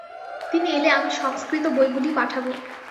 তিনি এলে আমি সংস্কৃত বইগুলি পাঠাব।